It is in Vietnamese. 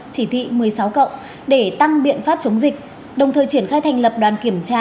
chỉ thị một mươi sáu để tăng biện pháp chống dịch đồng thời triển khai thành lập đoàn kiểm tra